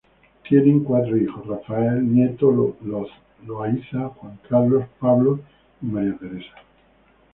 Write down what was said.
Tienen cuatro hijos: Rafael Nieto Loaiza, Juan Carlos, Pablo, y María Teresa.